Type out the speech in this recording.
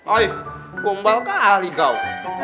aih gombal kali kau